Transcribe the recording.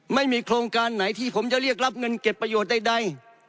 ไม่มีโครงการไหนที่ผมจะเรียกรับเงินเก็บประโยชน์ใด